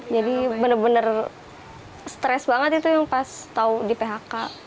jadi bener bener stres banget itu yang pas tau di phk